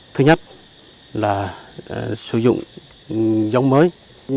thứ nhất là sử dụng dòng bệnh